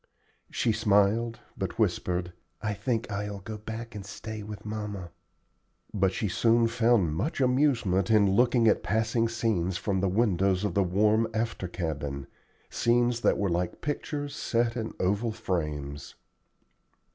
She smiled, but whispered, "I think I'll go back and stay with mamma;" but she soon found much amusement in looking at passing scenes from the windows of the warm after cabin scenes that were like pictures set in oval frames.